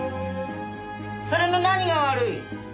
それの何が悪い！